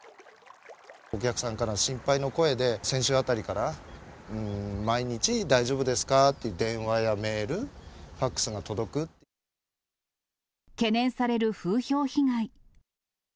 お客さんから心配の声で、先週あたりから、毎日、大丈夫ですか？っていう電話やメール、懸念される風評被害。